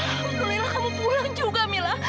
alhamdulillah kamu pulang juga mila